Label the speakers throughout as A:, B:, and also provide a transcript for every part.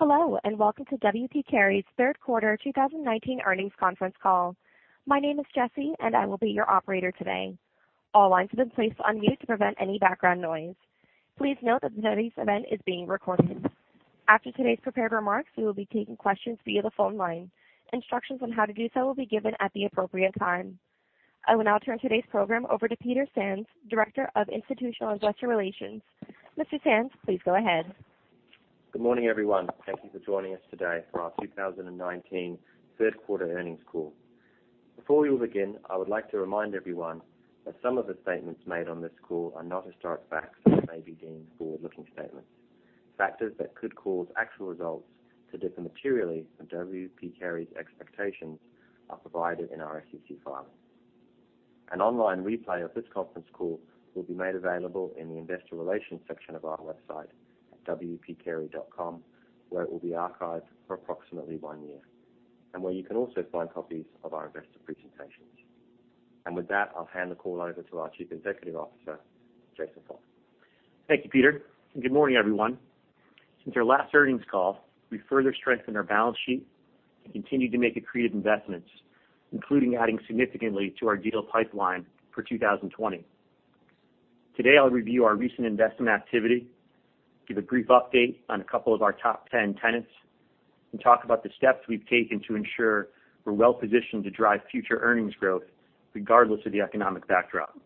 A: Hello, and welcome to W. P. Carey's third quarter 2019 earnings conference call. My name is Jesse, and I will be your operator today. All lines have been placed on mute to prevent any background noise. Please note that today's event is being recorded. After today's prepared remarks, we will be taking questions via the phone line. Instructions on how to do so will be given at the appropriate time. I will now turn today's program over to Peter Sands, Director of Institutional Investor Relations. Mr. Sands, please go ahead.
B: Good morning, everyone. Thank Thank you for joining us today for our 2019 third quarter earnings call. Before we begin, I would like to remind everyone that some of the statements made on this call are not historic facts and may be deemed forward-looking statements. Factors that could cause actual results to differ materially from W. P. Carey's expectations are provided in our SEC filings. An online replay of this conference call will be made available in the investor relations section of our website at wpcarey.com, where it will be archived for approximately one year, and where you can also find copies of our investor presentations. With that, I'll hand the call over to our Chief Executive Officer, Jason Fox.
C: Thank you, Peter, and good morning, everyone. Since our last earnings call, we further strengthened our balance sheet and continued to make accretive investments, including adding significantly to our deal pipeline for 2020. Today, I'll review our recent investment activity, give a brief update on a couple of our top 10 tenants, and talk about the steps we've taken to ensure we're well positioned to drive future earnings growth regardless of the economic backdrop.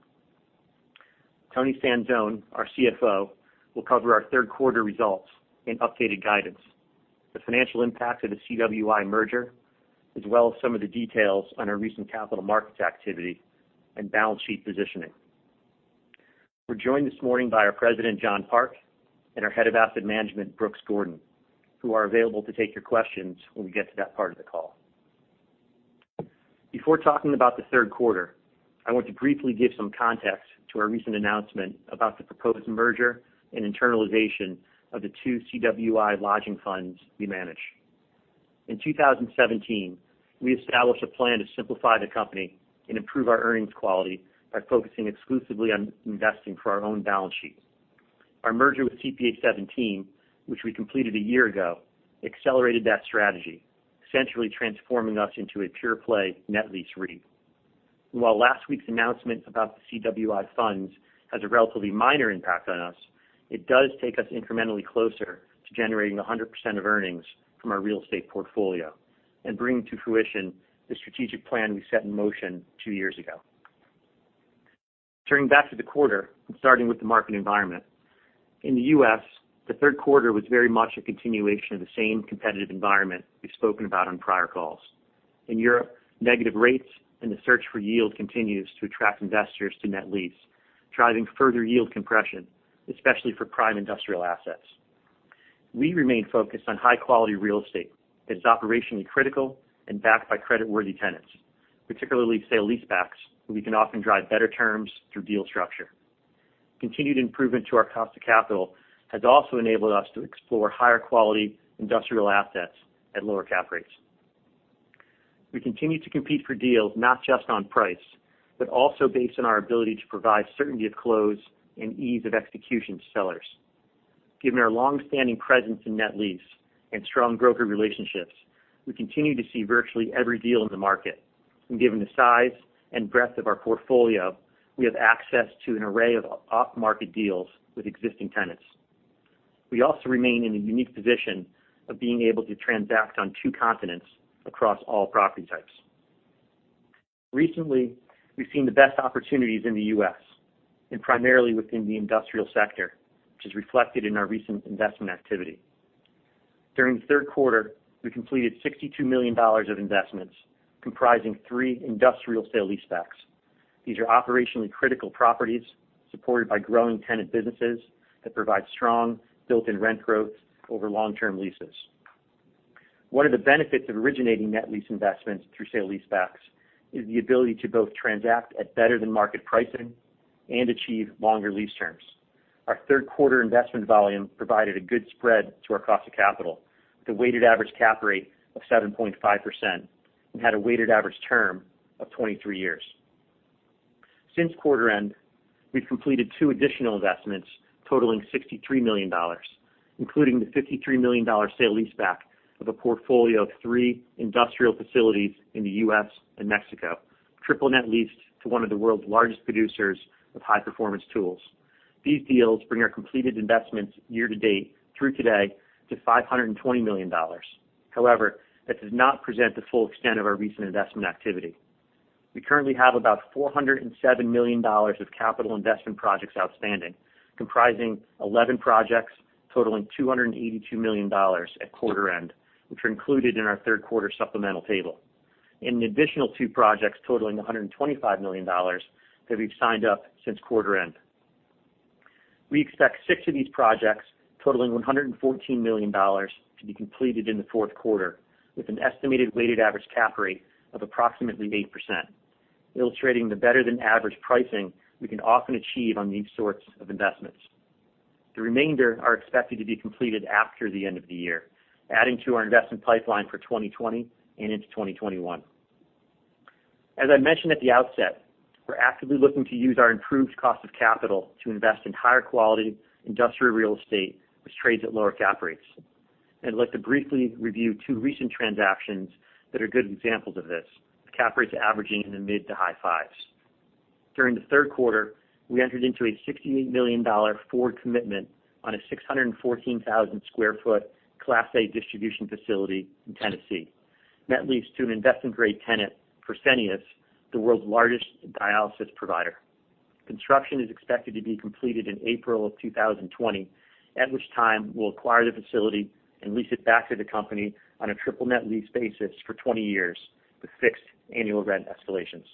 C: Toni Sanzone, our CFO, will cover our third quarter results and updated guidance, the financial impact of the CWI merger, as well as some of the details on our recent capital markets activity and balance sheet positioning. We're joined this morning by our President, John Park, and our Head of Asset Management, Brooks Gordon, who are available to take your questions when we get to that part of the call. Before talking about the third quarter, I want to briefly give some context to our recent announcement about the proposed merger and internalization of the two CWI lodging funds we manage. In 2017, we established a plan to simplify the company and improve our earnings quality by focusing exclusively on investing for our own balance sheet. Our merger with CPA:17, which we completed a year ago, accelerated that strategy, essentially transforming us into a pure-play net lease REIT. While last week's announcement about the CWI funds has a relatively minor impact on us, it does take us incrementally closer to generating 100% of earnings from our real estate portfolio and bringing to fruition the strategic plan we set in motion two years ago. Turning back to the quarter and starting with the market environment. In the U.S., the third quarter was very much a continuation of the same competitive environment we've spoken about on prior calls. In Europe, negative rates and the search for yield continues to attract investors to net lease, driving further yield compression, especially for prime industrial assets. We remain focused on high-quality real estate that is operationally critical and backed by creditworthy tenants, particularly sale-leasebacks, where we can often drive better terms through deal structure. Continued improvement to our cost of capital has also enabled us to explore higher quality industrial assets at lower cap rates. We continue to compete for deals not just on price but also based on our ability to provide certainty of close and ease of execution to sellers. Given our long-standing presence in net lease and strong broker relationships, we continue to see virtually every deal in the market. Given the size and breadth of our portfolio, we have access to an array of off-market deals with existing tenants. We also remain in a unique position of being able to transact on two continents across all property types. Recently, we've seen the best opportunities in the U.S. and primarily within the industrial sector, which is reflected in our recent investment activity. During the third quarter, we completed $62 million of investments comprising three industrial sale-leasebacks. These are operationally critical properties supported by growing tenant businesses that provide strong built-in rent growth over long-term leases. One of the benefits of originating net lease investments through sale-leasebacks is the ability to both transact at better-than-market pricing and achieve longer lease terms. Our third quarter investment volume provided a good spread to our cost of capital with a weighted average cap rate of 7.5% and had a weighted average term of 23 years. Since quarter end, we've completed two additional investments totaling $63 million, including the $53 million sale-leaseback of a portfolio of three industrial facilities in the U.S. and Mexico, triple net leased to one of the world's largest producers of high-performance tools. These deals bring our completed investments year to date through today to $520 million. That does not present the full extent of our recent investment activity. We currently have about $407 million of capital investment projects outstanding, comprising 11 projects totaling $282 million at quarter end, which are included in our third quarter supplemental table, and an additional two projects totaling $125 million that we've signed up since quarter end. We expect six of these projects totaling $114 million to be completed in the fourth quarter with an estimated weighted average cap rate of approximately 8%, illustrating the better-than-average pricing we can often achieve on these sorts of investments. The remainder are expected to be completed after the end of the year, adding to our investment pipeline for 2020 and into 2021. As I mentioned at the outset, we're actively looking to use our improved cost of capital to invest in higher quality industrial real estate, which trades at lower cap rates. I'd like to briefly review two recent transactions that are good examples of this, with cap rates averaging in the mid to high 5s. During the third quarter, we entered into a $68 million forward commitment on a 614,000 sq ft Class A distribution facility in Tennessee. Net leased to an investment-grade tenant, Fresenius, the world's largest dialysis provider. Construction is expected to be completed in April of 2020, at which time we'll acquire the facility and lease it back to the company on a triple net lease basis for 20 years with fixed annual rent escalations.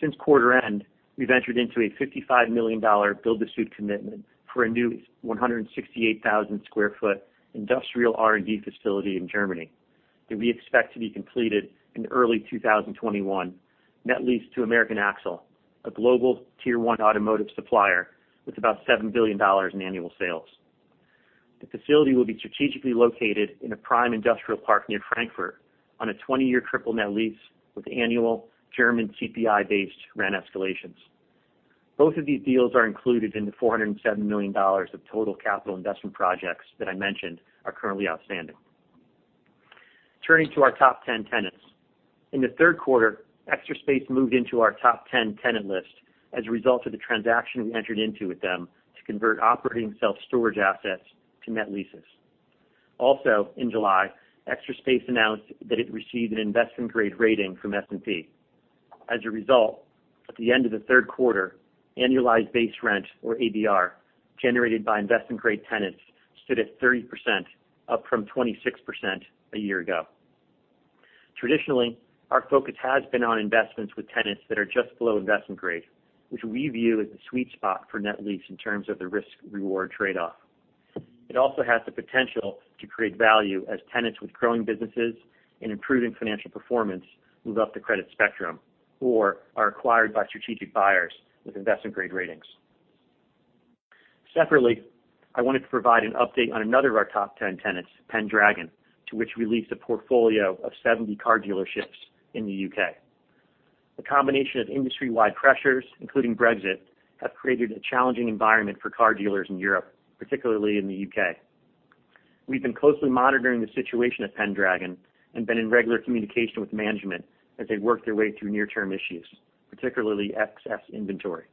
C: Since quarter end, we've entered into a $55 million build-to-suit commitment for a new 168,000 sq ft industrial R&D facility in Germany that we expect to be completed in early 2021. Net lease to American Axle, a global tier 1 automotive supplier with about $7 billion in annual sales. The facility will be strategically located in a prime industrial park near Frankfurt on a 20-year triple net lease with annual German CPI-based rent escalations. Both of these deals are included in the $407 million of total capital investment projects that I mentioned are currently outstanding. Turning to our top 10 tenants. In the third quarter, Extra Space moved into our top 10 tenant list as a result of the transaction we entered into with them to convert operating self-storage assets to net leases. In July, Extra Space announced that it received an investment-grade rating from S&P. At the end of the third quarter, annualized base rent, or ABR, generated by investment-grade tenants stood at 30%, up from 26% a year ago. Traditionally, our focus has been on investments with tenants that are just below investment grade, which we view as the sweet spot for net lease in terms of the risk-reward trade-off. It also has the potential to create value as tenants with growing businesses and improving financial performance move up the credit spectrum or are acquired by strategic buyers with investment-grade ratings. Separately, I wanted to provide an update on another of our top 10 tenants, Pendragon, to which we leased a portfolio of 70 car dealerships in the U.K. The combination of industry-wide pressures, including Brexit, have created a challenging environment for car dealers in Europe, particularly in the U.K. We've been closely monitoring the situation at Pendragon and been in regular communication with management as they work their way through near-term issues, particularly excess inventory.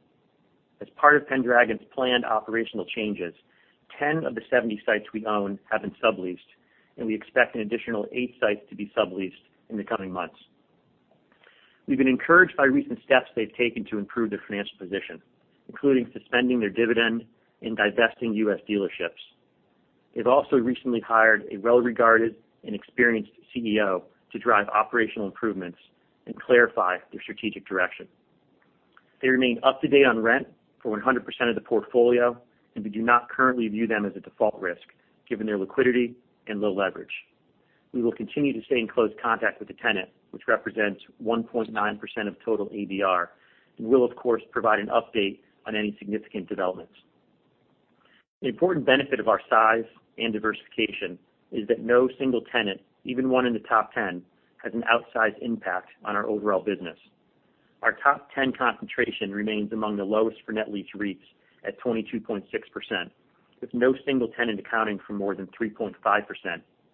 C: As part of Pendragon's planned operational changes, 10 of the 70 sites we own have been subleased, and we expect an additional eight sites to be subleased in the coming months. We've been encouraged by recent steps they've taken to improve their financial position, including suspending their dividend and divesting U.S. dealerships. They've also recently hired a well-regarded and experienced CEO to drive operational improvements and clarify their strategic direction. They remain up to date on rent for 100% of the portfolio. We do not currently view them as a default risk, given their liquidity and low leverage. We will continue to stay in close contact with the tenant, which represents 1.9% of total ABR. We'll of course provide an update on any significant developments. An important benefit of our size and diversification is that no single tenant, even one in the top 10, has an outsized impact on our overall business. Our top 10 concentration remains among the lowest for net lease REITs at 22.6%, with no single tenant accounting for more than 3.5%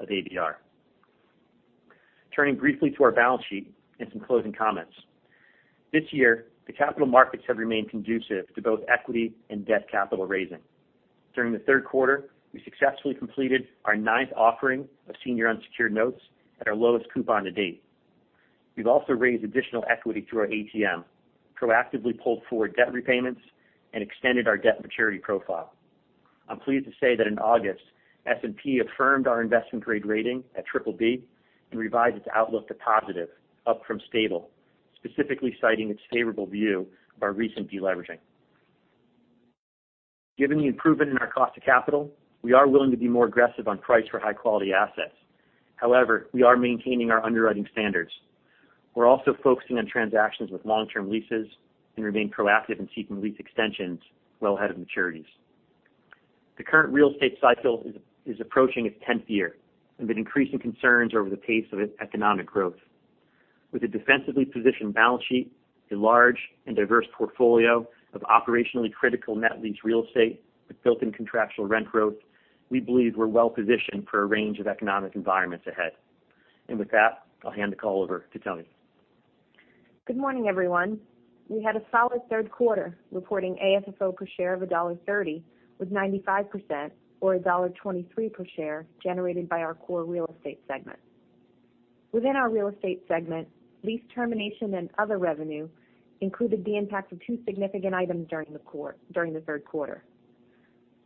C: of ABR. Turning briefly to our balance sheet and some closing comments. This year, the capital markets have remained conducive to both equity and debt capital raising. During the third quarter, we successfully completed our ninth offering of senior unsecured notes at our lowest coupon to date. We've also raised additional equity through our ATM, proactively pulled forward debt repayments, and extended our debt maturity profile. I'm pleased to say that in August, S&P affirmed our investment grade rating at BBB and revised its outlook to positive, up from stable, specifically citing its favorable view of our recent deleveraging. Given the improvement in our cost of capital, we are willing to be more aggressive on price for high-quality assets. However, we are maintaining our underwriting standards. We're also focusing on transactions with long-term leases and remain proactive in seeking lease extensions well ahead of maturities. The current real estate cycle is approaching its 10th year with increasing concerns over the pace of economic growth. With a defensively positioned balance sheet, a large and diverse portfolio of operationally critical net lease real estate with built-in contractual rent growth, we believe we're well positioned for a range of economic environments ahead. With that, I'll hand the call over to Toni.
D: Good morning, everyone. We had a solid third quarter, reporting AFFO per share of $1.30, with 95%, or $1.23 per share, generated by our core real estate segment. Within our real estate segment, lease termination and other revenue included the impact of two significant items during the third quarter.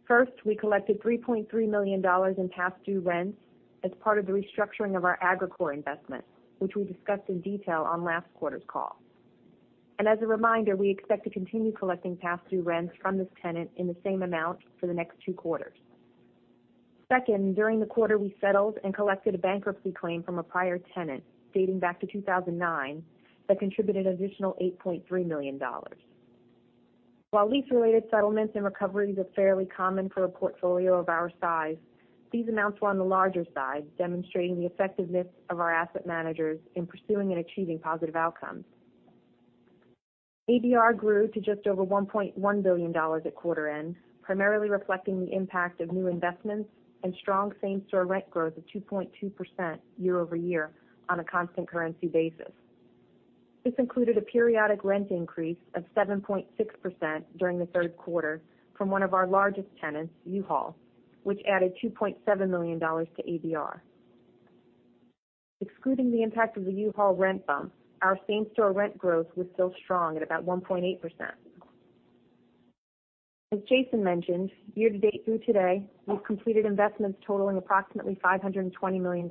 D: First, we collected $3.3 million in past due rents as part of the restructuring of our Agrokor investment, which we discussed in detail on last quarter's call. As a reminder, we expect to continue collecting past due rents from this tenant in the same amount for the next two quarters. Second, during the quarter, we settled and collected a bankruptcy claim from a prior tenant dating back to 2009 that contributed an additional $8.3 million. While lease-related settlements and recoveries are fairly common for a portfolio of our size, these amounts were on the larger side, demonstrating the effectiveness of our asset managers in pursuing and achieving positive outcomes. ABR grew to just over $1.1 billion at quarter end, primarily reflecting the impact of new investments and strong same-store rent growth of 2.2% year-over-year on a constant currency basis. This included a periodic rent increase of 7.6% during the third quarter from one of our largest tenants, U-Haul, which added $2.7 million to ABR. Excluding the impact of the U-Haul rent bump, our same-store rent growth was still strong at about 1.8%. As Jason mentioned, year to date through today, we've completed investments totaling approximately $520 million,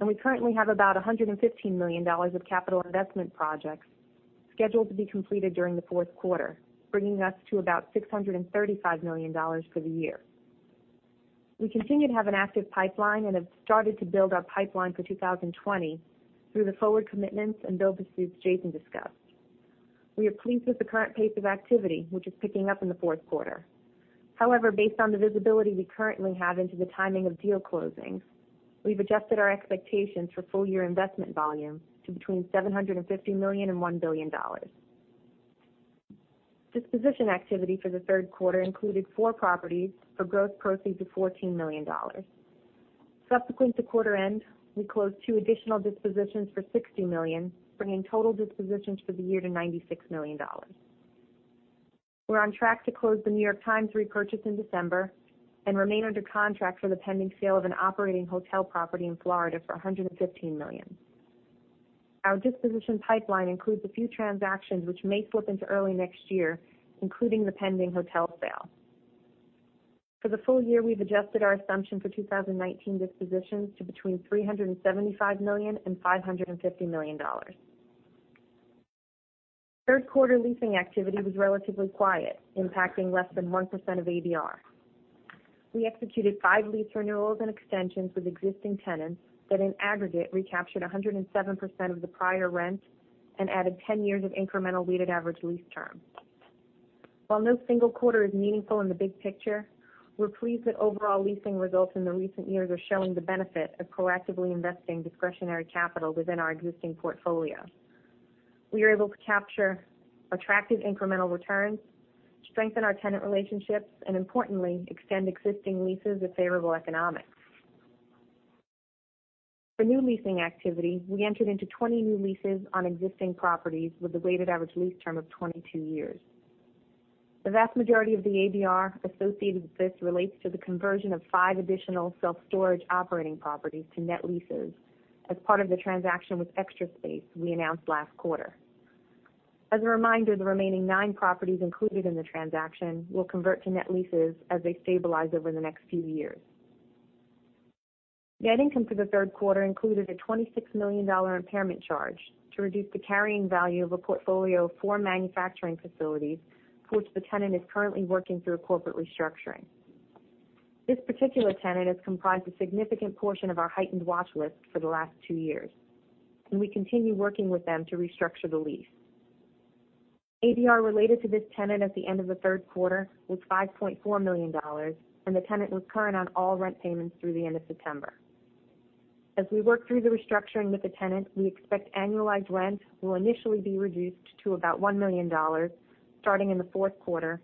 D: and we currently have about $115 million of capital investment projects scheduled to be completed during the fourth quarter, bringing us to about $635 million for the year. We continue to have an active pipeline and have started to build our pipeline for 2020 through the forward commitments and build-to-suit Jason discussed. We are pleased with the current pace of activity, which is picking up in the fourth quarter. However, based on the visibility we currently have into the timing of deal closings, we've adjusted our expectations for full-year investment volume to between $750 million and $1 billion. Disposition activity for the third quarter included four properties for gross proceeds of $14 million. Subsequent to quarter end, we closed two additional dispositions for $60 million, bringing total dispositions for the year to $96 million. We're on track to close The New York Times repurchase in December, and remain under contract for the pending sale of an operating hotel property in Florida for $115 million. Our disposition pipeline includes a few transactions which may flip into early next year, including the pending hotel sale. For the full year, we've adjusted our assumption for 2019 dispositions to between $375 million and $550 million. Third quarter leasing activity was relatively quiet, impacting less than 1% of ABR. We executed five lease renewals and extensions with existing tenants that in aggregate recaptured 107% of the prior rent and added 10 years of incremental weighted average lease term. While no single quarter is meaningful in the big picture, we're pleased that overall leasing results in the recent years are showing the benefit of proactively investing discretionary capital within our existing portfolio. We are able to capture attractive incremental returns, strengthen our tenant relationships, and importantly, extend existing leases with favorable economics. For new leasing activity, we entered into 20 new leases on existing properties with a weighted average lease term of 22 years. The vast majority of the ABR associated with this relates to the conversion of five additional self-storage operating properties to net leases as part of the transaction with Extra Space we announced last quarter. As a reminder, the remaining nine properties included in the transaction will convert to net leases as they stabilize over the next few years. Net income for the third quarter included a $26 million impairment charge to reduce the carrying value of a portfolio of four manufacturing facilities for which the tenant is currently working through a corporate restructuring. This particular tenant has comprised a significant portion of our heightened watch list for the last two years, and we continue working with them to restructure the lease. ABR related to this tenant at the end of the third quarter was $5.4 million, and the tenant was current on all rent payments through the end of September. As we work through the restructuring with the tenant, we expect annualized rent will initially be reduced to about $1 million starting in the fourth quarter,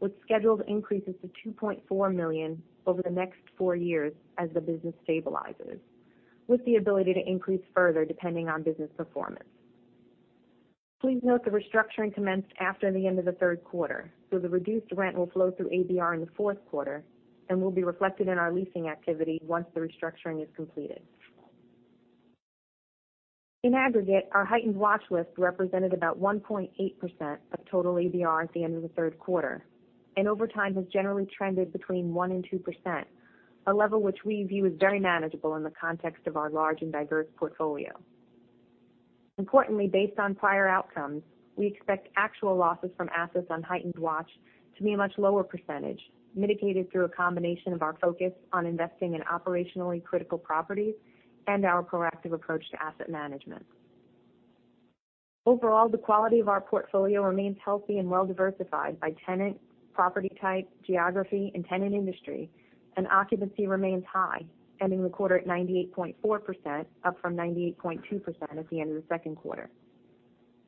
D: with scheduled increases to $2.4 million over the next four years as the business stabilizes, with the ability to increase further depending on business performance. Please note the restructuring commenced after the end of the third quarter, so the reduced rent will flow through ABR in the fourth quarter and will be reflected in our leasing activity once the restructuring is completed. In aggregate, our heightened watch list represented about 1.8% of total ABR at the end of the third quarter, and over time has generally trended between 1% and 2%, a level which we view as very manageable in the context of our large and diverse portfolio. Importantly, based on prior outcomes, we expect actual losses from assets on heightened watch to be a much lower percentage, mitigated through a combination of our focus on investing in operationally critical properties and our proactive approach to asset management. Overall, the quality of our portfolio remains healthy and well-diversified by tenant, property type, geography, and tenant industry, and occupancy remains high, ending the quarter at 98.4%, up from 98.2% at the end of the second quarter.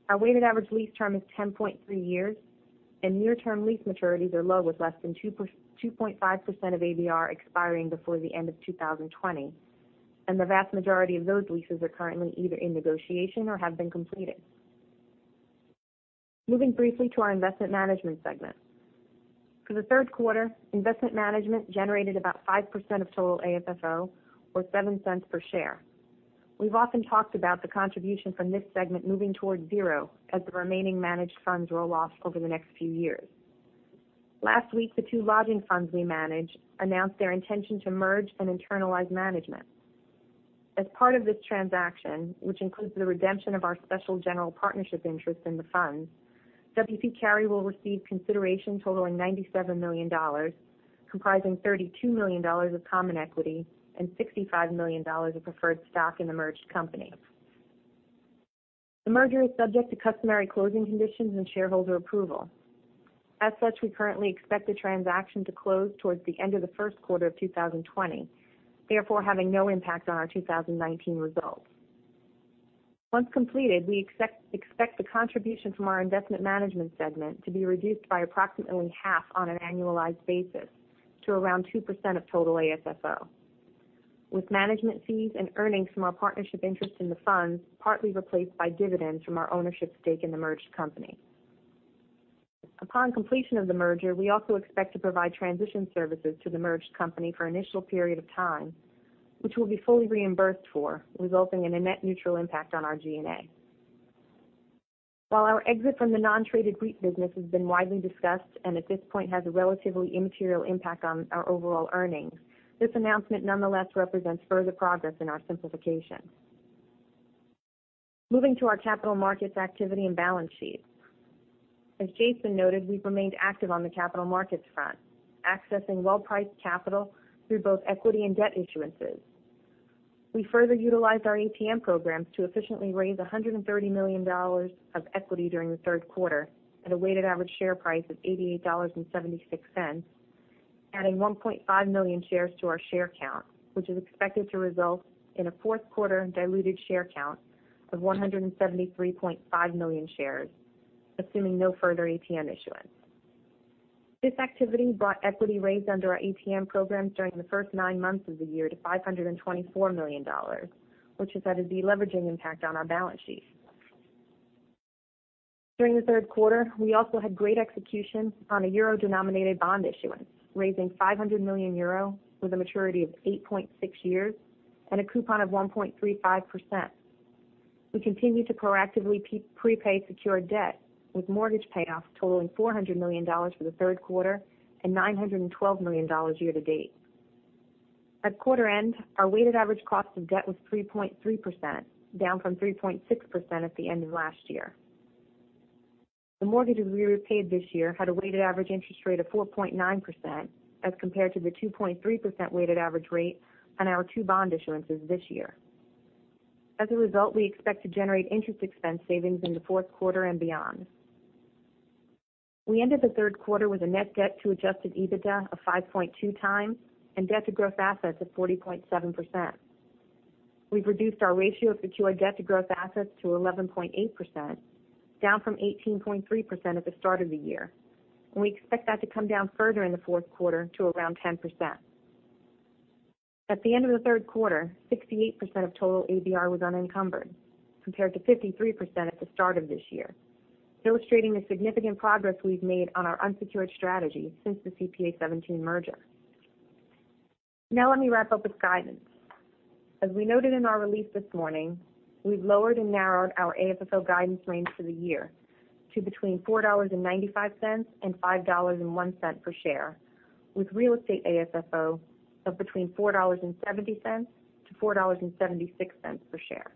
D: Our weighted average lease term is 10.3 years, and near-term lease maturities are low with less than 2.5% of ABR expiring before the end of 2020, and the vast majority of those leases are currently either in negotiation or have been completed. Moving briefly to our investment management segment. For the third quarter, investment management generated about 5% of total AFFO or $0.07 per share. We've often talked about the contribution from this segment moving towards zero as the remaining managed funds roll off over the next few years. Last week, the two lodging funds we manage announced their intention to merge and internalize management. As part of this transaction, which includes the redemption of our special general partnership interest in the funds, W. P. Carey. Carey will receive consideration totaling $97 million, comprising $32 million of common equity and $65 million of preferred stock in the merged company. The merger is subject to customary closing conditions and shareholder approval. As such, we currently expect the transaction to close towards the end of the first quarter of 2020, therefore having no impact on our 2019 results. Once completed, we expect the contribution from our investment management segment to be reduced by approximately half on an annualized basis to around 2% of total AFFO, with management fees and earnings from our partnership interest in the funds partly replaced by dividends from our ownership stake in the merged company. Upon completion of the merger, we also expect to provide transition services to the merged company for initial period of time, which will be fully reimbursed for, resulting in a net neutral impact on our G&A. While our exit from the non-traded REIT business has been widely discussed, and at this point has a relatively immaterial impact on our overall earnings, this announcement nonetheless represents further progress in our simplification. Moving to our capital markets activity and balance sheet. As Jason noted, we've remained active on the capital markets front, accessing well-priced capital through both equity and debt issuances. We further utilized our ATM programs to efficiently raise $130 million of equity during the third quarter at a weighted average share price of $88.76, adding 1.5 million shares to our share count, which is expected to result in a fourth quarter diluted share count of 173.5 million shares, assuming no further ATM issuance. This activity brought equity raised under our ATM programs during the first nine months of the year to $524 million, which has had a deleveraging impact on our balance sheet. During the third quarter, we also had great execution on a EUR-denominated bond issuance, raising 500 million euro with a maturity of 8.6 years and a coupon of 1.35%. We continue to proactively prepay secured debt, with mortgage payoffs totaling $400 million for the third quarter and $912 million year-to-date. At quarter end, our weighted average cost of debt was 3.3%, down from 3.6% at the end of last year. The mortgages we repaid this year had a weighted average interest rate of 4.9%, as compared to the 2.3% weighted average rate on our two bond issuances this year. As a result, we expect to generate interest expense savings in the fourth quarter and beyond. We ended the third quarter with a net debt to adjusted EBITDA of 5.2 times and debt to gross assets of 40.7%. We've reduced our ratio of secured debt to gross assets to 11.8%, down from 18.3% at the start of the year. We expect that to come down further in the fourth quarter to around 10%. At the end of the third quarter, 68% of total ABR was unencumbered, compared to 53% at the start of this year, illustrating the significant progress we've made on our unsecured strategy since the CPA:17 merger. Now let me wrap up with guidance. As we noted in our release this morning, we've lowered and narrowed our AFFO guidance range for the year to between $4.95 and $5.01 per share, with real estate AFFO of between $4.70-$4.76 per share.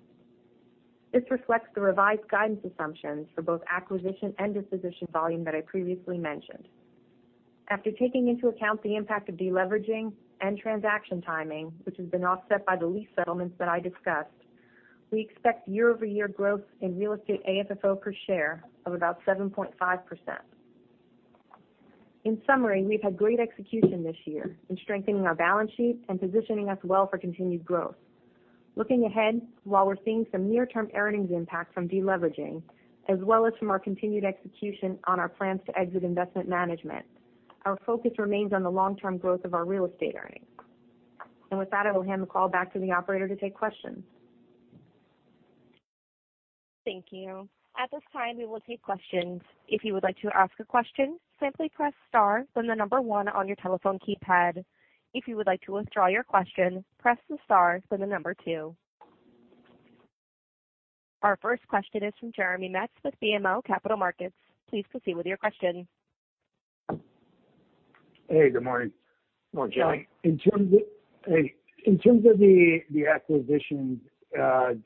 D: This reflects the revised guidance assumptions for both acquisition and disposition volume that I previously mentioned. After taking into account the impact of deleveraging and transaction timing, which has been offset by the lease settlements that I discussed, we expect year-over-year growth in real estate AFFO per share of about 7.5%. In summary, we've had great execution this year in strengthening our balance sheet and positioning us well for continued growth. Looking ahead, while we're seeing some near-term earnings impact from deleveraging, as well as from our continued execution on our plans to exit investment management, our focus remains on the long-term growth of our real estate earnings. With that, I will hand the call back to the operator to take questions.
A: Thank you. At this time, we will take questions. If you would like to ask a question, simply press star, then the number 1 on your telephone keypad. If you would like to withdraw your question, press the star, then the number 2. Our first question is from Jeremy Metz with BMO Capital Markets. Please proceed with your question.
E: Hey, good morning.
D: Morning.
E: In terms of the acquisition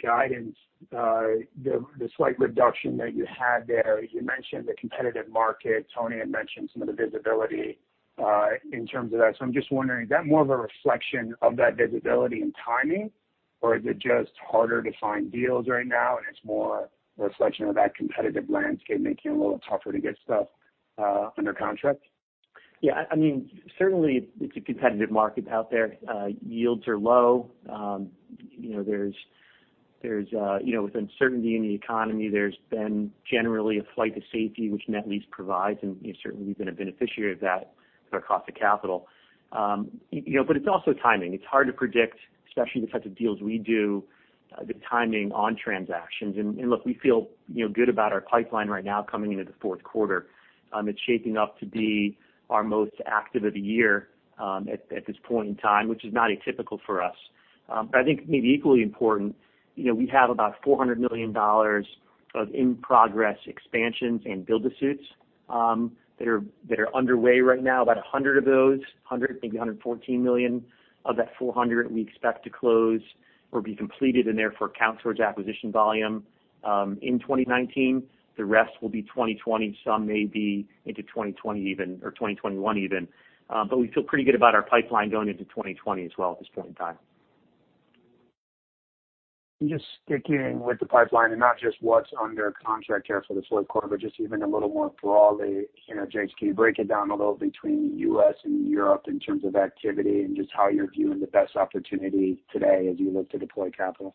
E: guidance, the slight reduction that you had there, you mentioned the competitive market. Toni had mentioned some of the visibility in terms of that. I'm just wondering, is that more of a reflection of that visibility and timing, or is it just harder to find deals right now and it's more a reflection of that competitive landscape making it a little tougher to get stuff under contract?
D: Yeah. Certainly it's a competitive market out there. Yields are low. With uncertainty in the economy, there's been generally a flight to safety, which net lease provides, and certainly we've been a beneficiary of that with our cost of capital. It's also timing. It's hard to predict, especially the types of deals we do, the timing on transactions. Look, we feel good about our pipeline right now coming into the fourth quarter. It's shaping up to be our most active of the year at this point in time, which is not atypical for us. I think maybe equally important, we have about $400 million of in-progress expansions and build-to-suits that are underway right now. About 100 of those, maybe $114 million of that 400 we expect to close or be completed and therefore count towards acquisition volume
C: In 2019. The rest will be 2020. Some may be into 2020 even, or 2021 even. We feel pretty good about our pipeline going into 2020 as well at this point in time.
E: Just sticking with the pipeline, and not just what's under contract here for the fourth quarter, but just even a little more broadly. Jason, can you break it down a little between U.S. and Europe in terms of activity and just how you're viewing the best opportunity today as you look to deploy capital?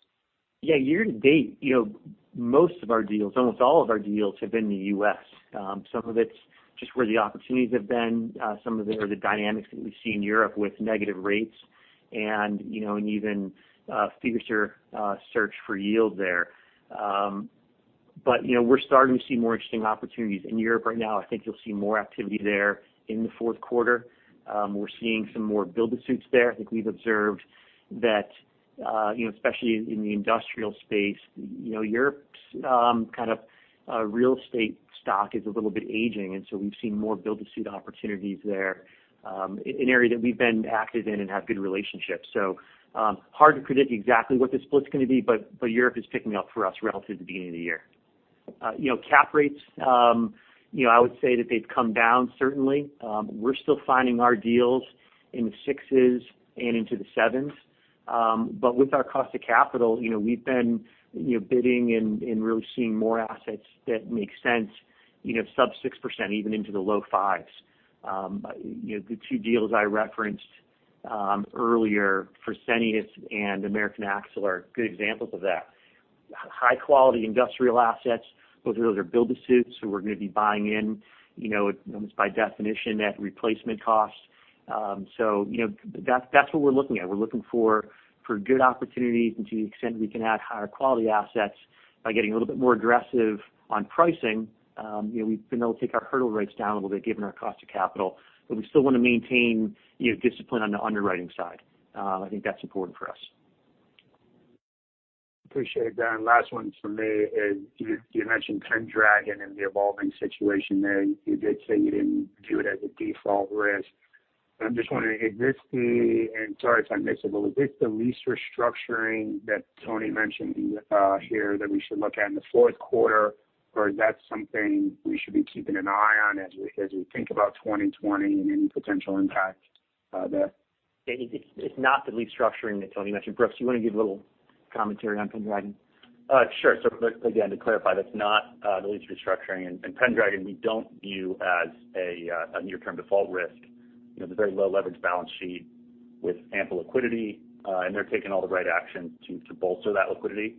C: Year to date, most of our deals, almost all of our deals have been in the U.S. Some of it's just where the opportunities have been. Some of it are the dynamics that we see in Europe with negative rates and even a fiercer search for yield there. We're starting to see more interesting opportunities in Europe right now. I think you'll see more activity there in the fourth quarter. We're seeing some more build-to-suits there. I think we've observed that, especially in the industrial space, Europe's kind of real estate stock is a little bit aging, and so we've seen more build-to-suit opportunities there, an area that we've been active in and have good relationships. Hard to predict exactly what the split's going to be, but Europe is picking up for us relative to the beginning of the year. Cap rates, I would say that they've come down certainly. We're still finding our deals in the 6s and into the 7s. With our cost of capital, we've been bidding and really seeing more assets that make sense, sub 6%, even into the low 5s. The two deals I referenced earlier for Fresenius and American Axle are good examples of that. High-quality industrial assets. Those are build-to-suits, so we're going to be buying in, almost by definition, at replacement costs. That's what we're looking at. We're looking for good opportunities and to the extent we can add higher quality assets by getting a little bit more aggressive on pricing. We've been able to take our hurdle rates down a little bit given our cost of capital, but we still want to maintain discipline on the underwriting side. I think that's important for us.
E: Appreciate that. Last one from me is, you mentioned Pendragon and the evolving situation there. You did say you didn't view it as a default risk. I'm just wondering, sorry if I missed it, is this the lease restructuring that Toni mentioned here that we should look at in the fourth quarter, or is that something we should be keeping an eye on as we think about 2020 and any potential impact there?
C: It's not the lease restructuring that Toni mentioned. Brooks, you want to give a little commentary on Pendragon?
F: Sure. Again, to clarify, that's not the lease restructuring. Pendragon, we don't view as a near-term default risk. It's a very low leverage balance sheet with ample liquidity. They're taking all the right actions to bolster that liquidity.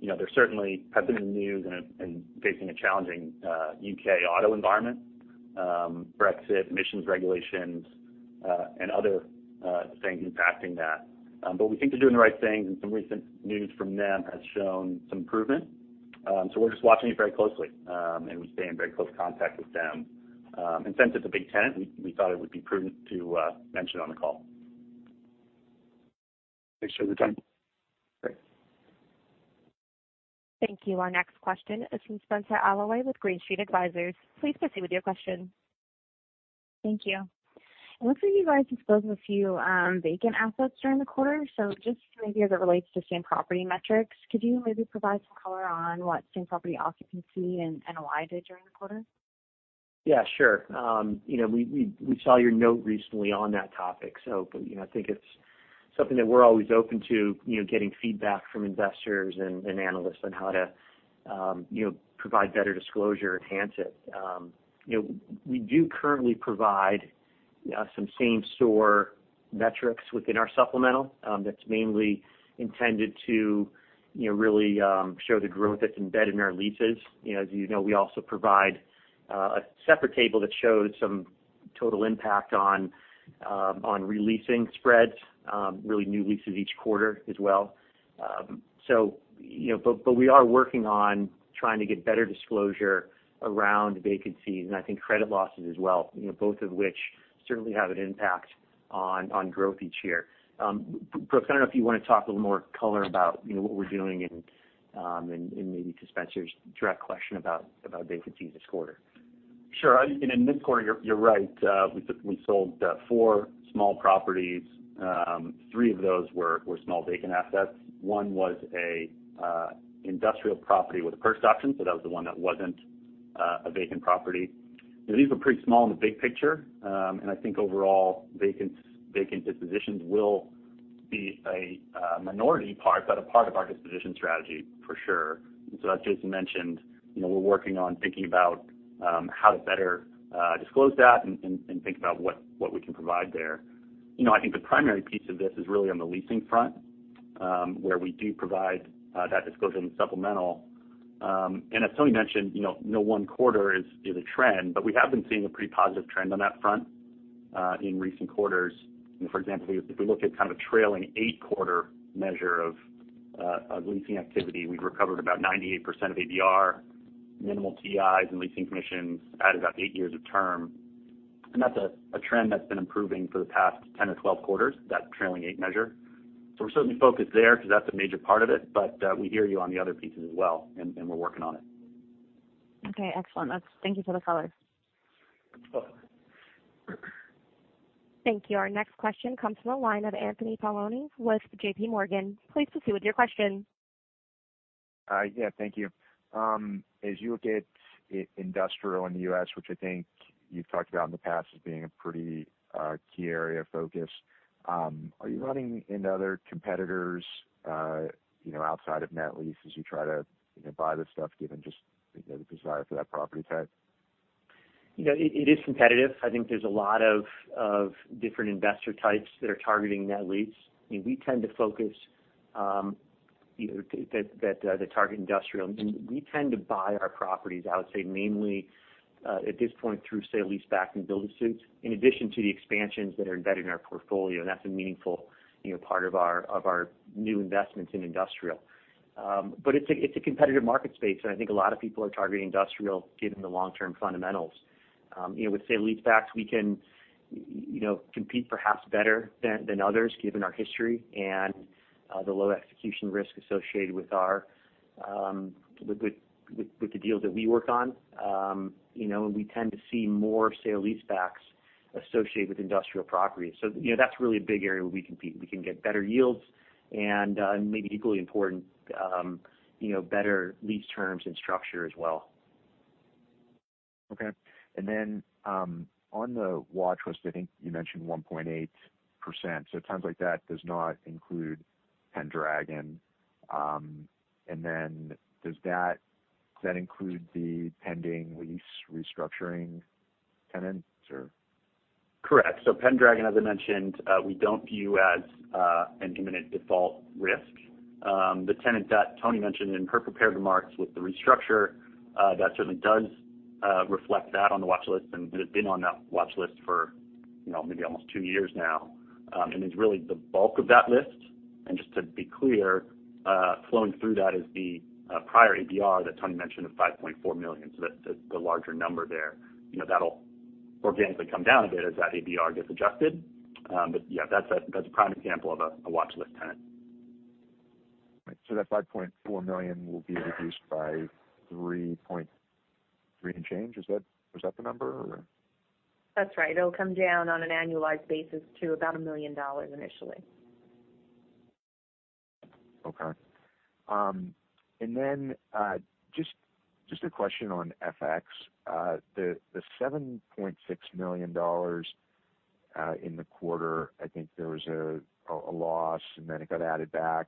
F: They certainly have been in the news and facing a challenging U.K. auto environment. Brexit, emissions regulations, and other things impacting that. We think they're doing the right things, and some recent news from them has shown some improvement. We're just watching it very closely. We stay in very close contact with them. Since it's a big tenant, we thought it would be prudent to mention on the call.
E: Appreciate the time. Great.
A: Thank you. Our next question is from Spenser Glimcher with Green Street Advisors. Please proceed with your question.
G: Thank you. It looks like you guys disposed of a few vacant assets during the quarter. Just maybe as it relates to same property metrics, could you maybe provide some color on what same property occupancy and NOI did during the quarter?
C: Yeah, sure. We saw your note recently on that topic. I think it's something that we're always open to, getting feedback from investors and analysts on how to provide better disclosure, enhance it. We do currently provide some same-store metrics within our supplemental. That's mainly intended to really show the growth that's embedded in our leases. As you know, we also provide a separate table that shows some total impact on re-leasing spreads. Really new leases each quarter as well. We are working on trying to get better disclosure around vacancies and I think credit losses as well, both of which certainly have an impact on growth each year. Brooks, I don't know if you want to talk a little more color about what we're doing in maybe to Spenser's direct question about vacancies this quarter.
F: Sure. In this quarter, you're right. We sold four small properties. Three of those were small vacant assets. One was a industrial property with a first auction, so that was the one that wasn't a vacant property. These were pretty small in the big picture. I think overall, vacant dispositions will be a minority part, but a part of our disposition strategy for sure. As Jason mentioned, we're working on thinking about how to better disclose that and think about what we can provide there. I think the primary piece of this is really on the leasing front, where we do provide that disclosure in the supplemental. As Toni mentioned, no one quarter is a trend, but we have been seeing a pretty positive trend on that front, in recent quarters. For example, if we look at kind of trailing eight-quarter measure of leasing activity, we've recovered about 98% of ABR, minimal TIs and leasing commissions, added about eight years of term. That's a trend that's been improving for the past 10 or 12 quarters, that trailing eight measure. We're certainly focused there because that's a major part of it, but we hear you on the other pieces as well, and we're working on it.
G: Okay, excellent. Thank you for the color.
F: Of course.
A: Thank you. Our next question comes from the line of Anthony Paolone with JPMorgan. Please proceed with your question.
H: Yeah, thank you. As you look at industrial in the U.S., which I think you've talked about in the past as being a pretty key area of focus, are you running into other competitors outside of net lease as you try to buy this stuff, given just the desire for that property type?
C: It is competitive. I think there's a lot of different investor types that are targeting net lease. That target industrial. We tend to buy our properties, I would say mainly, at this point, through sale-leaseback and build-to-suits, in addition to the expansions that are embedded in our portfolio. That's a meaningful part of our new investments in industrial. It's a competitive market space, and I think a lot of people are targeting industrial given the long-term fundamentals. With sale-leasebacks, we can compete perhaps better than others given our history and the low execution risk associated with the deals that we work on. We tend to see more sale-leasebacks associated with industrial properties. That's really a big area where we compete. We can get better yields and maybe equally important better lease terms and structure as well.
H: Okay. On the watch list, I think you mentioned 1.8%, so it sounds like that does not include Pendragon. Does that include the pending lease restructuring tenants or?
F: Correct. Pendragon, as I mentioned, we don't view as an imminent default risk. The tenant that Toni mentioned in her prepared remarks with the restructure, that certainly does reflect that on the watch list and has been on that watch list for maybe almost two years now. Is really the bulk of that list. Just to be clear, flowing through that is the prior ABR that Toni mentioned of $5.4 million. That's the larger number there. That'll organically come down a bit as that ABR gets adjusted. Yeah, that's a prime example of a watch list tenant.
H: Right. That $5.4 million will be reduced by $3.3 and change. Is that the number or?
D: That's right. It'll come down on an annualized basis to about $1 million initially.
H: Okay. Just a question on FX. The $7.6 million in the quarter, I think there was a loss and then it got added back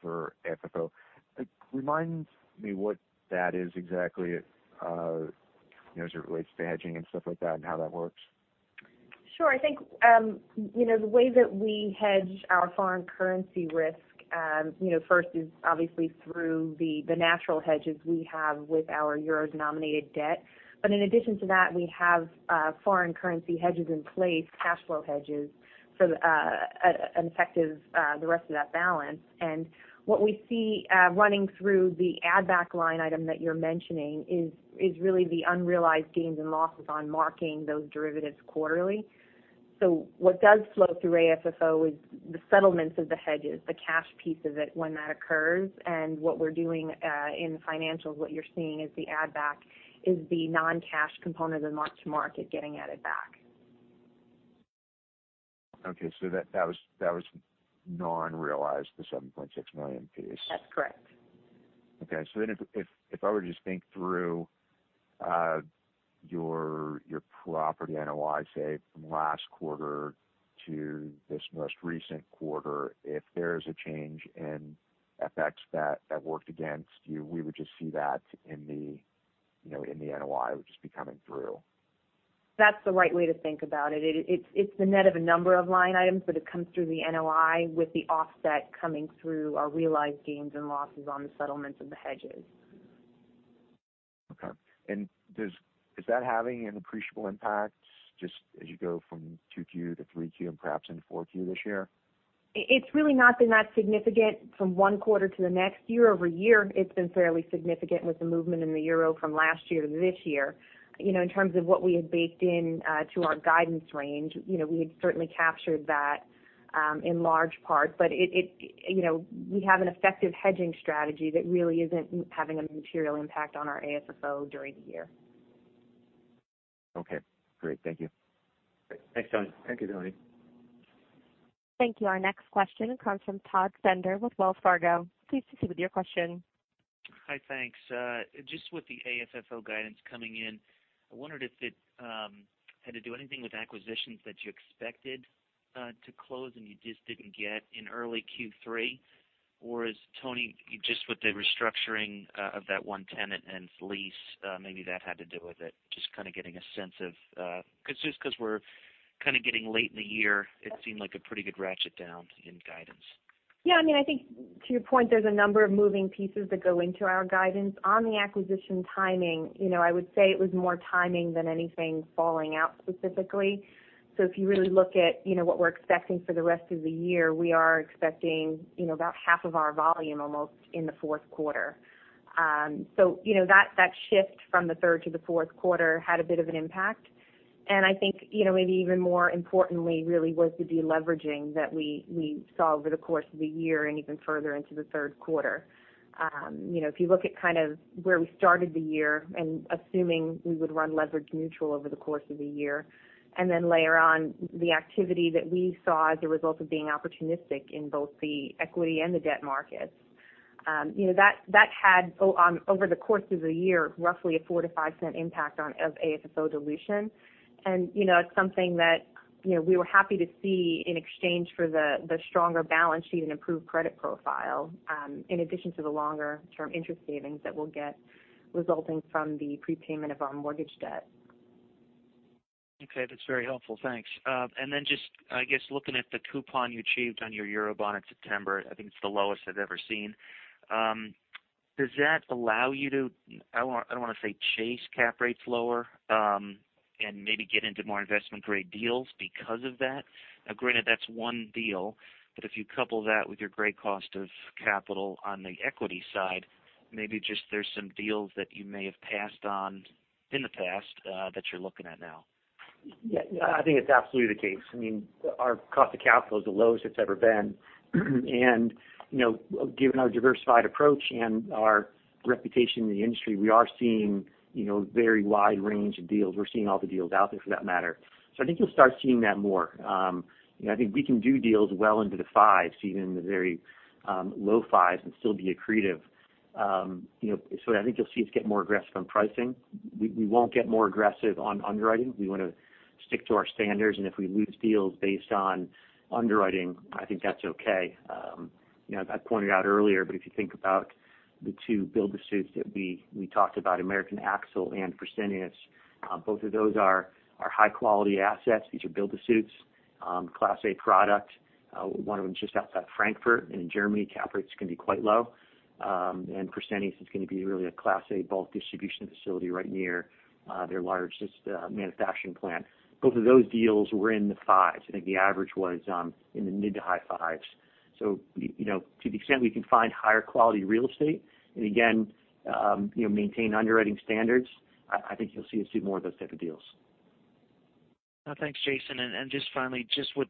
H: for FFO. Remind me what that is exactly as it relates to hedging and stuff like that and how that works.
D: Sure, I think, the way that we hedge our foreign currency risk, first is obviously through the natural hedges we have with our EUR-denominated debt. In addition to that, we have foreign currency hedges in place, cash flow hedges for an effective the rest of that balance. What we see running through the add back line item that you're mentioning is really the unrealized gains and losses on marking those derivatives quarterly. What does flow through AFFO is the settlements of the hedges, the cash piece of it when that occurs. What we're doing in the financials, what you're seeing is the add back is the non-cash component of mark to market getting added back.
H: That was non-realized, the $7.6 million piece.
D: That's correct.
H: Okay. If I were to think through your property NOI, say, from last quarter to this most recent quarter, if there's a change in FX that worked against you, we would just see that in the NOI, would just be coming through.
D: That's the right way to think about it. It's the net of a number of line items. It comes through the NOI with the offset coming through our realized gains and losses on the settlements of the hedges.
H: Okay. Is that having an appreciable impact just as you go from 2Q to 3Q and perhaps into 4Q this year?
D: It's really not been that significant from one quarter to the next. Year-over-year, it's been fairly significant with the movement in the euro from last year to this year. In terms of what we had baked into our guidance range, we had certainly captured that in large part. We have an effective hedging strategy that really isn't having a material impact on our AFFO during the year.
H: Okay, great. Thank you.
C: Great. Thanks, Toni. Thank you, Toni.
A: Thank you. Our next question comes from Todd Bender with Wells Fargo. Please proceed with your question.
I: Hi, thanks. Just with the AFFO guidance coming in, I wondered if it had to do anything with acquisitions that you expected to close and you just didn't get in early Q3 or is, Toni, just with the restructuring of that one tenant and lease, maybe that had to do with it. Just because we're kind of getting late in the year, it seemed like a pretty good ratchet down in guidance.
D: I think to your point, there's a number of moving pieces that go into our guidance. On the acquisition timing, I would say it was more timing than anything falling out specifically. If you really look at what we're expecting for the rest of the year, we are expecting about half of our volume almost in the fourth quarter. That shift from the third to the fourth quarter had a bit of an impact. I think maybe even more importantly really was the de-leveraging that we saw over the course of the year and even further into the third quarter. If you look at where we started the year and assuming we would run leverage neutral over the course of the year, and then layer on the activity that we saw as a result of being opportunistic in both the equity and the debt markets. That had, over the course of the year, roughly a 4%-5% impact of AFFO dilution. It's something that we were happy to see in exchange for the stronger balance sheet and improved credit profile, in addition to the longer-term interest savings that we'll get resulting from the prepayment of our mortgage debt.
I: Okay. That's very helpful. Thanks. Just, I guess looking at the coupon you achieved on your EUR bond in September, I think it's the lowest I've ever seen. Does that allow you to, I don't want to say chase cap rates lower, and maybe get into more investment-grade deals because of that? Now granted, that's one deal, but if you couple that with your great cost of capital on the equity side, maybe just there's some deals that you may have passed on in the past, that you're looking at now.
C: I think it's absolutely the case. Our cost of capital is the lowest it's ever been. Given our diversified approach and our reputation in the industry, we are seeing very wide range of deals. We're seeing all the deals out there for that matter. I think you'll start seeing that more. I think we can do deals well into the fives, even in the very low fives, and still be accretive. I think you'll see us get more aggressive on pricing. We won't get more aggressive on underwriting. We want to stick to our standards, and if we lose deals based on underwriting, I think that's okay. As I pointed out earlier, if you think about the 2 build-to-suits that we talked about, American Axle and Fresenius. Both of those are high-quality assets. These are build-to-suits, class A product. One of them is just outside Frankfurt in Germany. Cap rates can be quite low. Fresenius is going to be really a class A bulk distribution facility right near their largest manufacturing plant. Both of those deals were in the 5s. I think the average was in the mid to high 5s. To the extent we can find higher quality real estate and again maintain underwriting standards, I think you'll see us do more of those type of deals.
I: Thanks, Jason. Just finally,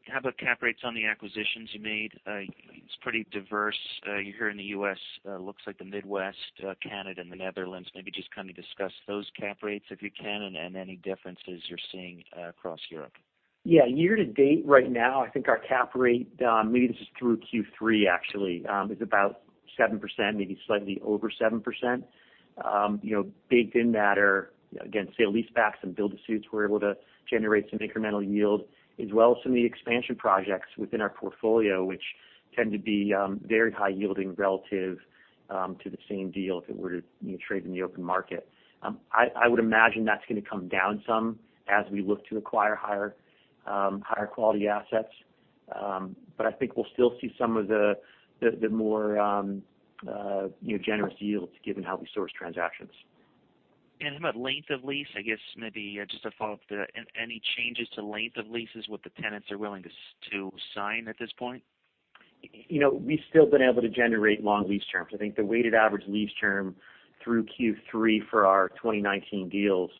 I: how about cap rates on the acquisitions you made? It's pretty diverse. You're here in the U.S., looks like the Midwest, Canada, and the Netherlands. Maybe just discuss those cap rates if you can and any differences you're seeing across Europe.
C: Yeah. Year to date right now, I think our cap rate, maybe this is through Q3 actually, is about 7%, maybe slightly over 7%. Baked in that are, again, sale-leasebacks and build-to-suits we're able to generate some incremental yield, as well as some of the expansion projects within our portfolio, which tend to be very high yielding relative to the same deal if it were to trade in the open market. I would imagine that's going to come down some as we look to acquire higher quality assets. I think we'll still see some of the more generous yields given how we source transactions.
I: How about length of lease? I guess maybe just a follow-up to any changes to length of leases, what the tenants are willing to sign at this point?
C: We've still been able to generate long lease terms. I think the weighted average lease term through Q3 for our 2019 deals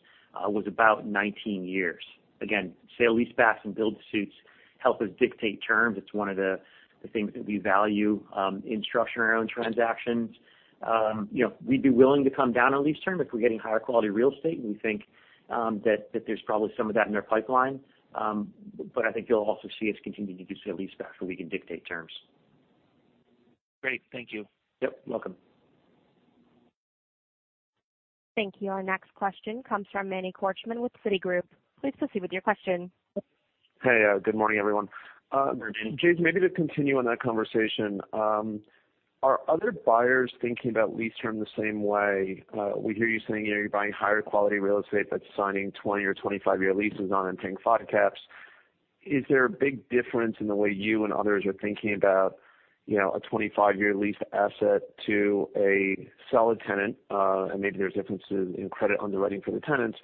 C: was about 19 years. Sale-leasebacks and build-to-suits help us dictate terms. It's one of the things that we value in structuring our own transactions. We'd be willing to come down on lease term if we're getting higher quality real estate, and we think that there's probably some of that in our pipeline. I think you'll also see us continue to do sale-leaseback so we can dictate terms.
I: Great. Thank you.
C: Yep. Welcome.
A: Thank you. Our next question comes from Manny Korchman with Citigroup. Please proceed with your question.
J: Hey, good morning, everyone.
C: Morning.
J: Jason, maybe to continue on that conversation. Are other buyers thinking about lease term the same way? We hear you saying you're buying higher quality real estate that's signing 20 or 25-year leases on and paying five caps. Is there a big difference in the way you and others are thinking about a 25-year lease asset to a solid tenant? Maybe there's differences in credit underwriting for the tenants,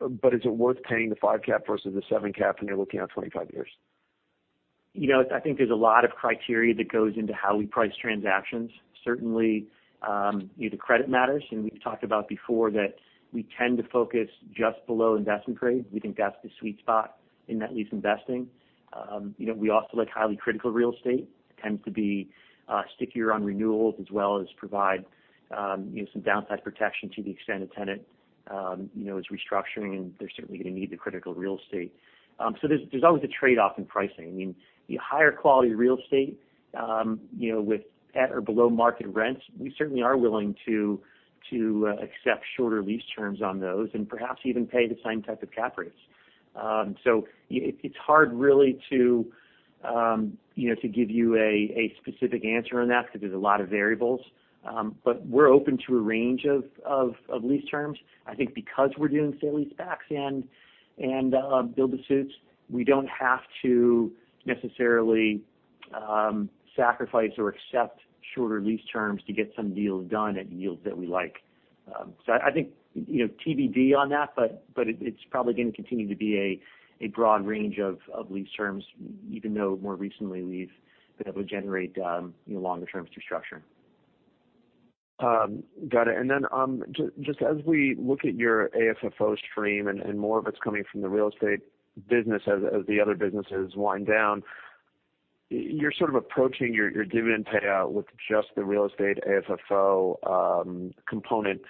J: but is it worth paying the five cap versus the seven cap when you're looking out 25 years?
C: I think there's a lot of criteria that goes into how we price transactions. Certainly, the credit matters, and we've talked about before that we tend to focus just below investment grade. We think that's the sweet spot in net lease investing. We also like highly critical real estate. It tends to be stickier on renewals as well as provide some downside protection to the extent a tenant is restructuring, and they're certainly going to need the critical real estate. There's always a trade-off in pricing. The higher quality real estate with at or below market rents, we certainly are willing to accept shorter lease terms on those and perhaps even pay the same type of cap rates. It's hard really to give you a specific answer on that because there's a lot of variables. We're open to a range of lease terms. I think because we're doing sale-leasebacks and build-to-suits, we don't have to necessarily sacrifice or accept shorter lease terms to get some deals done at yields that we like. I think TBD on that, but it's probably going to continue to be a broad range of lease terms, even though more recently we've been able to generate longer terms through structuring.
J: Got it. Then just as we look at your AFFO stream and more of it's coming from the real estate business as the other businesses wind down, you're sort of approaching your dividend payout with just the real estate AFFO component.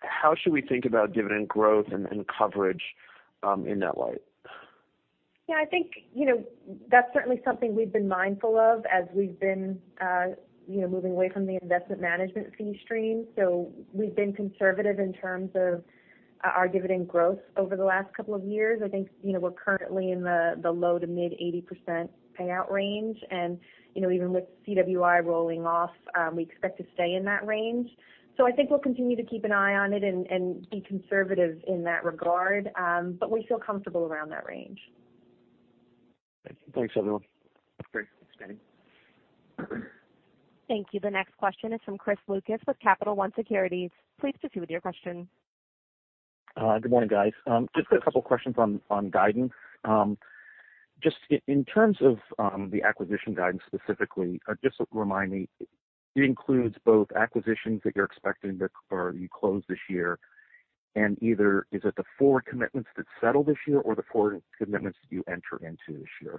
J: How should we think about dividend growth and coverage in that light?
D: Yeah, I think that's certainly something we've been mindful of as we've been moving away from the investment management fee stream. We've been conservative in terms of our dividend growth over the last couple of years. I think we're currently in the low to mid 80% payout range. Even with CWI rolling off, we expect to stay in that range. I think we'll continue to keep an eye on it and be conservative in that regard, but we feel comfortable around that range.
J: Thanks, everyone.
C: Great. Thanks, Manny.
A: Thank you. The next question is from Chris Lucas with Capital One Securities. Please proceed with your question.
K: Good morning, guys. Just got a couple questions on guidance. Just in terms of the acquisition guidance specifically, just remind me, it includes both acquisitions that you're expecting to close this year, either is it the forward commitments that settle this year or the forward commitments that you enter into this year?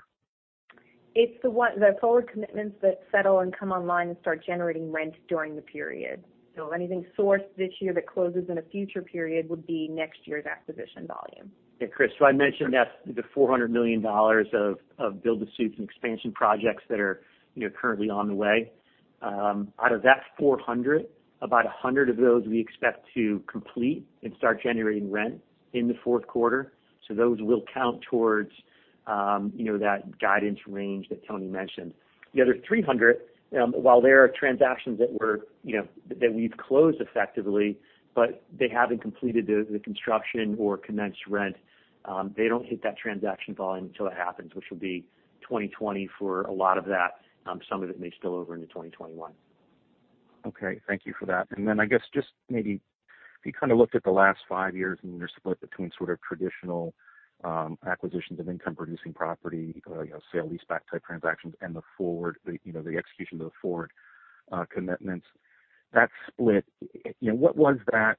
D: It's the forward commitments that settle and come online and start generating rent during the period. Anything sourced this year that closes in a future period would be next year's acquisition volume.
C: Chris. I mentioned that the $400 million of build-to-suits and expansion projects that are currently on the way. Out of that 400, about 100 of those we expect to complete and start generating rent in the fourth quarter. Those will count towards that guidance range that Toni mentioned. The other 300, while there are transactions that we've closed effectively, they haven't completed the construction or commenced rent. They don't hit that transaction volume until it happens, which will be 2020 for a lot of that. Some of it may spill over into 2021.
K: Okay. Thank you for that. I guess, just maybe if you kind of looked at the last five years and your split between sort of traditional acquisitions of income-producing property, sale-leaseback type transactions, and the execution of the forward commitments. That split, what was that?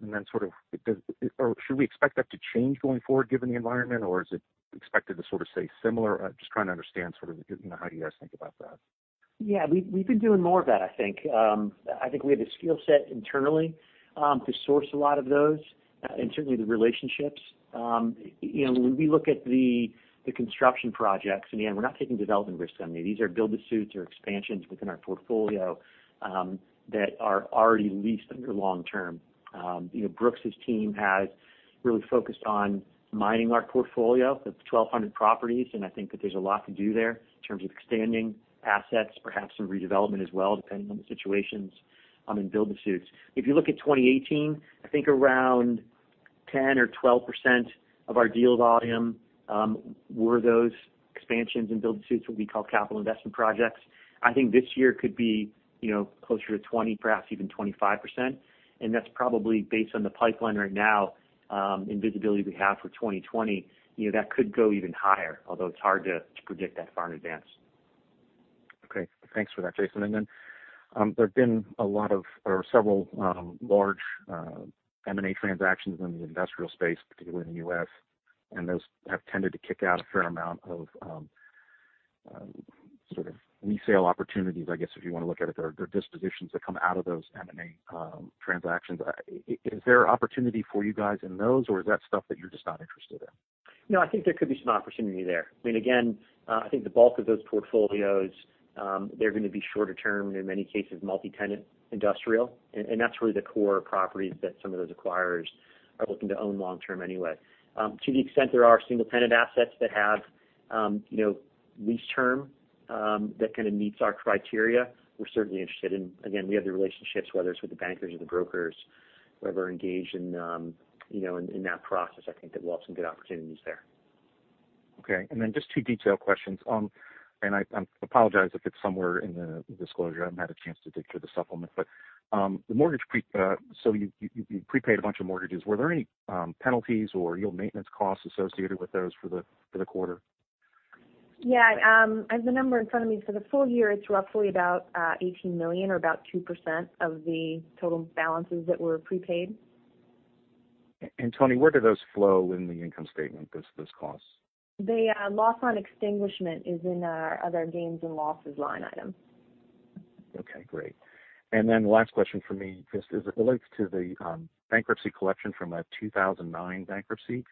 K: Should we expect that to change going forward given the environment, or is it expected to sort of stay similar? Just trying to understand how you guys think about that.
C: Yeah. We've been doing more of that, I think. I think we have the skill set internally to source a lot of those, and certainly the relationships. When we look at the construction projects, in the end, we're not taking development risks on these. These are build-to-suits or expansions within our portfolio that are already leased under long-term. Brooks' team has really focused on mining our portfolio. That's 1,200 properties. I think that there's a lot to do there in terms of extending assets, perhaps some redevelopment as well, depending on the situations in build-to-suits. If you look at 2018, I think around 10% or 12% of our deal volume were those expansions and build-to-suits, what we call capital investment projects. I think this year could be closer to 20%, perhaps even 25%. That's probably based on the pipeline right now and visibility we have for 2020. That could go even higher, although it's hard to predict that far in advance.
K: Okay. Thanks for that, Jason. There've been a lot of, or several large M&A transactions in the industrial space, particularly in the U.S., and those have tended to kick out a fair amount of sort of resale opportunities, I guess, if you want to look at it, or dispositions that come out of those M&A transactions. Is there opportunity for you guys in those, or is that stuff that you're just not interested in?
C: No, I think there could be some opportunity there. Again, I think the bulk of those portfolios, they're going to be shorter term, in many cases, multi-tenant industrial. That's really the core properties that some of those acquirers are looking to own long-term anyway. To the extent there are single-tenant assets that have lease term that kind of meets our criteria, we're certainly interested. Again, we have the relationships, whether it's with the bankers or the brokers, whoever engaged in that process. I think that we'll have some good opportunities there.
K: Okay. Just two detail questions. I apologize if it's somewhere in the disclosure. I haven't had a chance to dig through the supplement. The mortgage. So you prepaid a bunch of mortgages. Were there any penalties or yield maintenance costs associated with those for the quarter?
D: Yeah. I have the number in front of me. For the full year, it's roughly about $18 million or about 2% of the total balances that were prepaid.
K: Toni, where do those flow in the income statement, those costs?
D: The loss on extinguishment is in our other gains and losses line item.
K: Okay, great. The last question from me just relates to the bankruptcy collection from that 2009 bankruptcy.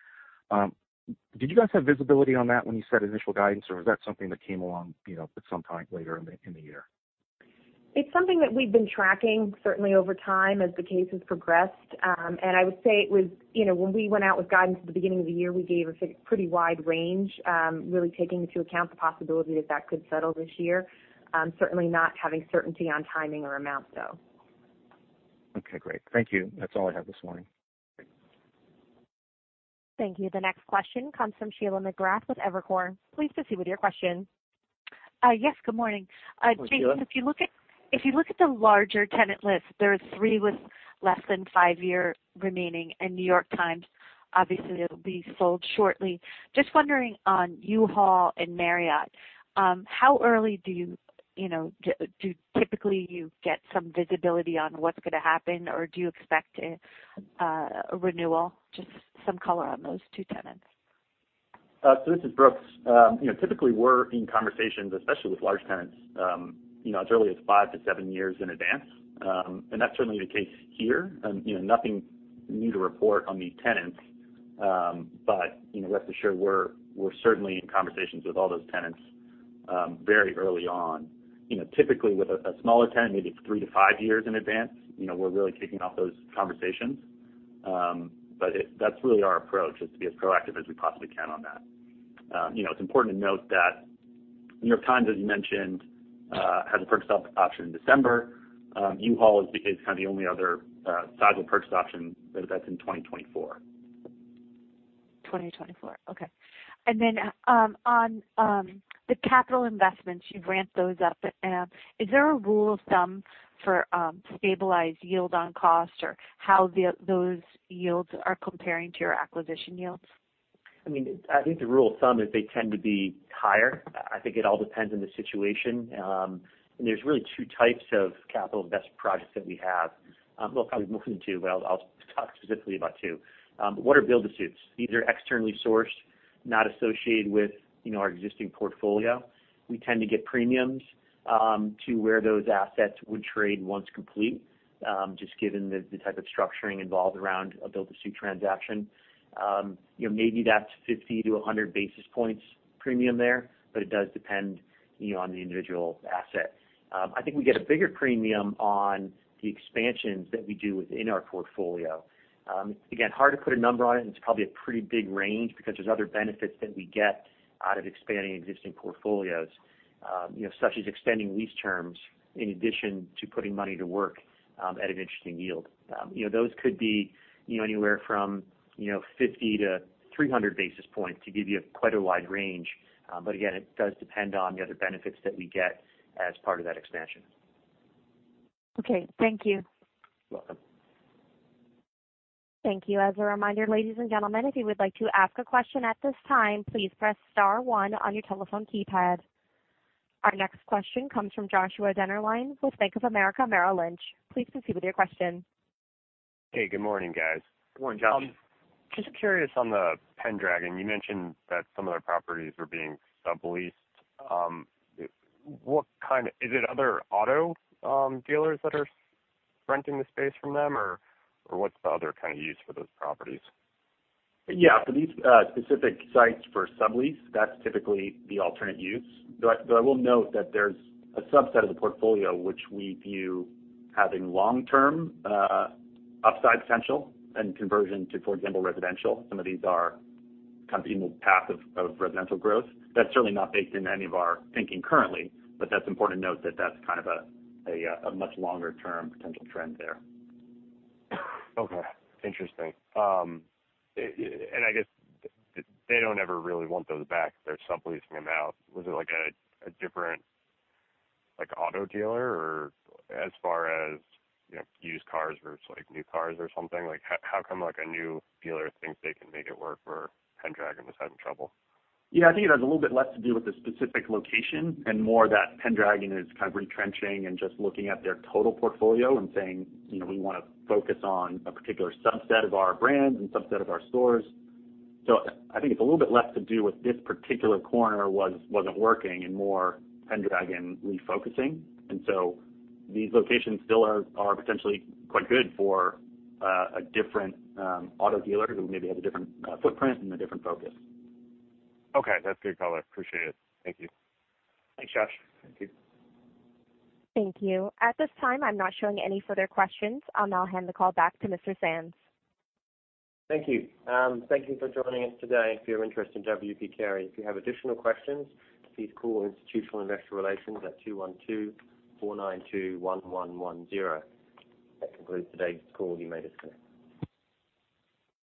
K: Did you guys have visibility on that when you set initial guidance, or was that something that came along at some time later in the year?
D: It's something that we've been tracking certainly over time as the case has progressed. I would say it was when we went out with guidance at the beginning of the year, we gave a pretty wide range, really taking into account the possibility that that could settle this year. Certainly not having certainty on timing or amount, though.
K: Okay, great. Thank you. That's all I have this morning.
A: Thank you. The next question comes from Sheila McGrath with Evercore. Please proceed with your question.
L: Yes, good morning.
C: Good morning, Sheila. Jason, if you look at the larger tenant list, there are three.
L: Less than five-year remaining in The New York Times. Obviously, it'll be sold shortly. Just wondering on U-Haul and Marriott, how early do you typically get some visibility on what's going to happen, or do you expect a renewal? Just some color on those two tenants.
F: This is Brooks. Typically, we're in conversations, especially with large tenants, as early as 5-7 years in advance. That's certainly the case here. Nothing new to report on these tenants. Rest assured, we're certainly in conversations with all those tenants very early on. Typically, with a smaller tenant, maybe 3-5 years in advance, we're really kicking off those conversations. That's really our approach is to be as proactive as we possibly can on that. It's important to note that New York Times, as you mentioned, has a purchase option in December. U-Haul is kind of the only other sizable purchase option, but that's in 2024.
L: 2024. Okay. On the capital investments, you've ramped those up. Is there a rule of thumb for stabilized yield on cost or how those yields are comparing to your acquisition yields?
C: I think the rule of thumb is they tend to be higher. I think it all depends on the situation. There's really 2 types of capital investment projects that we have. Well, probably more than two, but I'll talk specifically about two. What are build-to-suits? These are externally sourced, not associated with our existing portfolio. We tend to get premiums to where those assets would trade once complete, just given the type of structuring involved around a build-to-suit transaction. Maybe that's 50-100 basis points premium there, but it does depend on the individual asset. I think we get a bigger premium on the expansions that we do within our portfolio. Hard to put a number on it, and it's probably a pretty big range because there's other benefits that we get out of expanding existing portfolios such as extending lease terms in addition to putting money to work at an interesting yield. Those could be anywhere from 50 to 300 basis points to give you quite a wide range. Again, it does depend on the other benefits that we get as part of that expansion.
L: Okay. Thank you.
C: You're welcome.
A: Thank you. As a reminder, ladies and gentlemen, if you would like to ask a question at this time, please press star one on your telephone keypad. Our next question comes from Joshua Dennerlein with Bank of America Merrill Lynch. Please proceed with your question.
M: Hey, good morning, guys.
C: Good morning, Josh.
M: Just curious on the Pendragon. You mentioned that some of their properties were being subleased. Is it other auto dealers that are renting the space from them or what's the other kind of use for those properties?
C: Yeah. For these specific sites for sublease, that's typically the alternate use. I will note that there's a subset of the portfolio which we view having long-term upside potential and conversion to, for example, residential. Some of these are kind of in the path of residential growth. That's certainly not baked in any of our thinking currently. That's important to note that that's kind of a much longer-term potential trend there.
M: Okay. Interesting. I guess they don't ever really want those back. They're subleasing them out. Was it like a different auto dealer or as far as used cars versus new cars or something? How come a new dealer thinks they can make it work where Pendragon was having trouble?
C: Yeah. I think it has a little bit less to do with the specific location and more that Pendragon is kind of retrenching and just looking at their total portfolio and saying, "We want to focus on a particular subset of our brands and subset of our stores." I think it's a little bit less to do with this particular corner wasn't working and more Pendragon refocusing. These locations still are potentially quite good for a different auto dealer who maybe has a different footprint and a different focus.
M: Okay. That's good color. Appreciate it. Thank you.
C: Thanks, Josh.
A: Thank you. At this time, I'm not showing any further questions. I'll now hand the call back to Mr. Sands.
B: Thank you. Thank you for joining us today if you're interested in W. P. Carey. If you have additional questions, please call Institutional Investor Relations at 212-492-1110. That concludes today's call. You may disconnect.